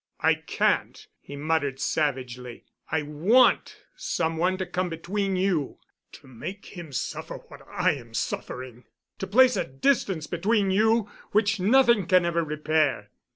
"I can't," he muttered savagely. "I want some one to come between you—to make him suffer what I am suffering—to place a distance between you which nothing can ever repair."